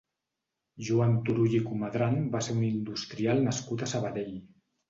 Joan Turull i Comadran va ser un industrial nascut a Sabadell.